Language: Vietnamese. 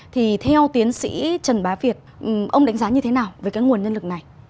thì theo tiến sĩ trần bá việt ông đánh giá như thế nào về cái nguồn nhân lực này